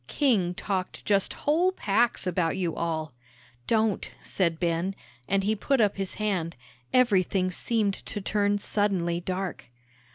King talked just whole packs about you all." "Don't," said Ben, and he put up his hand; everything seemed to turn suddenly dark.